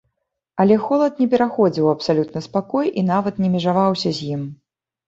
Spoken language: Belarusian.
Але холад не пераходзіў у абсалютны спакой і нават не межаваўся з ім.